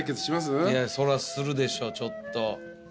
そらするでしょちょっと。